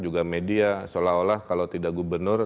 juga media seolah olah kalau tidak gubernur